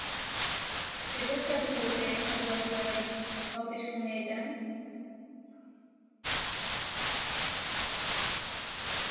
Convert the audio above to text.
Zer bozkatuko dute estatubatuarrek hauteskundeetan?